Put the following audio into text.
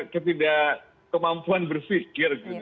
ketidak kemampuan berpikir gitu